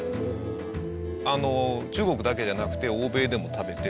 あの中国だけじゃなくて欧米でも食べて。